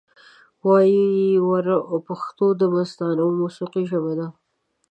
وایې وره پښتو دمستانه موسیقۍ ژبه ده